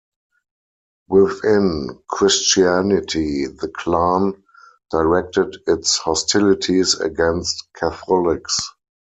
Within Christianity the Klan directed its hostilities against Catholics.